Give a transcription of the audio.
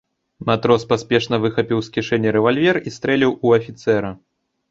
Матрос паспешна выхапіў з кішэні рэвальвер і стрэліў у афіцэра.